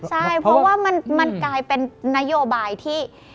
ใช่เพราะว่ามันกลายเป็นนโยบายที่